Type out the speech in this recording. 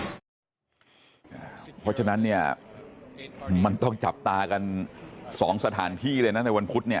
เพราะฉะนั้นเนี่ยมันต้องจับตากัน๒สถานที่เลยนะในวันพุธเนี่ย